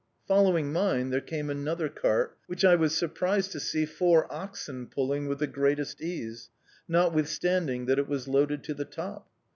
Following mine there came another cart, which I was surprised to see four oxen pulling with the greatest ease, notwithstanding that it was loaded to the top.